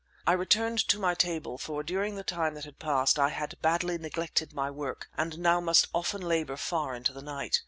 I returned to my table, for during the time that had passed I had badly neglected my work and now must often labour far into the night.